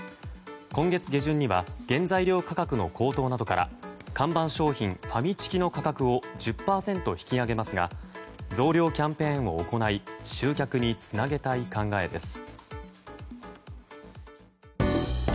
今月下旬には原材料価格の高騰などから看板商品ファミチキの価格を１０％引き上げますが増量キャンペーンを行い集客につなげたい考えです。